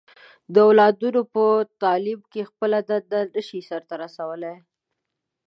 د اولادونو په تعليم کې خپله دنده نه شي سرته رسولی.